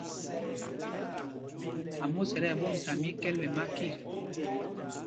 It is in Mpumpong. Ámos ɛ tí ɛɓɔmsa míkɛ̂l ɓɛ makit.